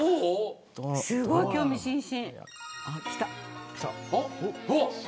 すごい興味津々。